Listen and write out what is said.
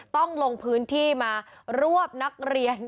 ต้องลงพื้นที่มารวบนักเรียน